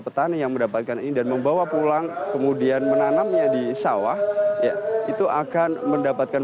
petani yang mendapatkan ini dan membawa pulang kemudian menanamnya di sawah ya itu akan mendapatkan